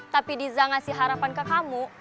tapi diza ngasih harapan ke kamu